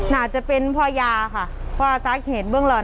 น่าจะเป็นพ่อยาค่ะพ่อถ้าขายเหตุเรื่องนอน